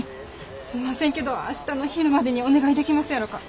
すいませんけど明日の昼までにお願いできますやろか。